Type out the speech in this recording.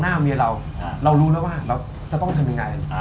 หน้าเมียเราเรารู้แล้วว่าเราจะต้องทำยังไง